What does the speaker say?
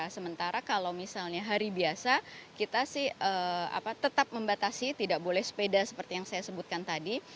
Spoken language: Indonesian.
sementara kalau misalnya hari biasa kita sih tetap membatasi tidak boleh sepeda seperti yang saya sebutkan tadi